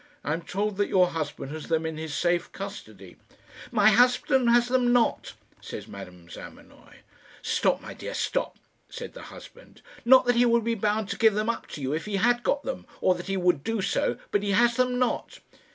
I am told that your husband has them in his safe custody." "My husband has them not," said Madame Zamenoy. "Stop, my dear stop," said the husband. "Not that he would be bound to give them up to you if he had got them, or that he would do so; but he has them not."